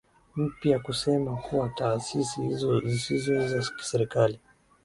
mpya kusema kuwa taasisi hizo siziso za kiserikali